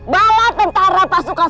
bawa tentara pasukan segera ke sana